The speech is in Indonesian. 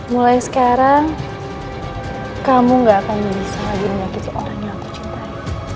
mulai sekarang kamu gak akan bisa lagi menyakiti orang yang aku cintai